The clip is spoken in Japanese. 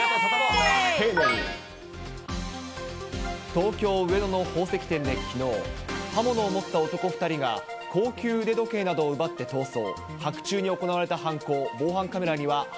東京・上野の宝石店できのう、刃物を持った男２人が高級腕時計などを奪って逃走。